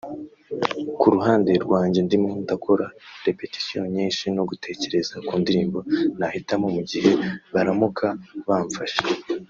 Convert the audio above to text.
Ku ruhande rwanjye ndimo ndakora repetitions nyinshi no gutekereza ku ndirimbo nahitamo mu gihe baramuka bamfashe